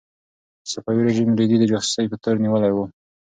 صفوي رژیم رېدی د جاسوسۍ په تور نیولی و.